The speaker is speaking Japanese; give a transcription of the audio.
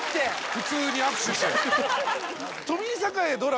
普通に握手して。